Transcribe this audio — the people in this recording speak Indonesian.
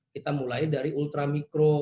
kita mulai dari ultra mikro